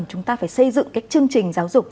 chúng ta phải xây dựng cái chương trình giáo dục